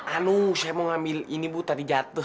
aduh saya mau ngambil ini bu tadi jatuh